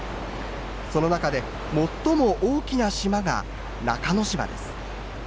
その中で最も大きな島が中之島です。